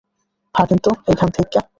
ভাগেন তো, এইখান থেইক্কা।